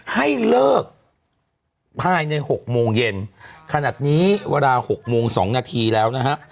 ให้เลิกภายในหกโมงเย็นขนาดนี้เวลาหกโมงสองนาทีแล้วนะฮะ